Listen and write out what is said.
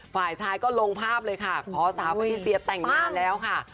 ฝ่ายชายก็ลงภาพเลยค่ะขอสาวมาติเซียแต่งงานแล้วค่ะ